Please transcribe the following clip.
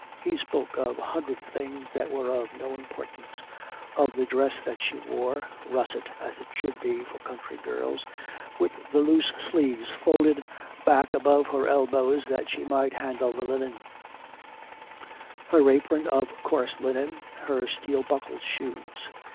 He spoke of a hundred things that were of no importance: of the dress that she wore — russet, as it should be, for country girls, with the loose sleeves folded back above her elbows that she might handle the linen; her apron of coarse linen, her steel buckled shoes.